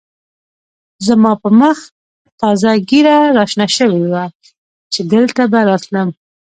زما په مخ تازه ږېره را شنه شوې وه چې دلته به راتلم.